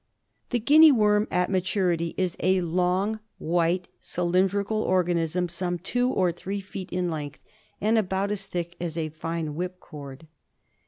The Guinea worm at maturity is a long, white, cylin drical organism some two or three feet in length and about as thick as fine whipcord.